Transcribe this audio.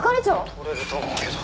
「取れると思うけど」